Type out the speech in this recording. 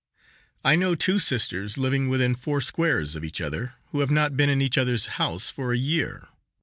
I know two sisters living within four squares of each other who have not been in each other's house for a year.